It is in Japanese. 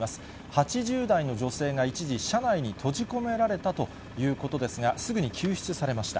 ８０代の女性が一時、車内に閉じ込められたということですが、すぐに救出されました。